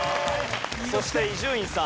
そして伊集院さん。